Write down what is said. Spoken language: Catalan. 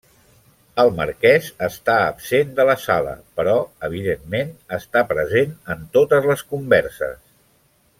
El marquès està absent de la sala, però, evidentment, està present en totes les converses.